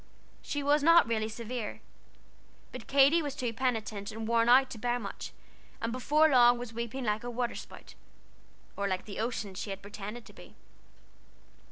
She was not really severe, but Katy was too penitent and worn out to bear much, and before long was weeping like a water spout, or like the ocean she had pretended to be.